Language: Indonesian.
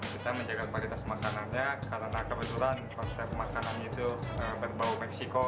kita menjaga kualitas makanannya karena kebetulan konsep makanannya itu berbau meksiko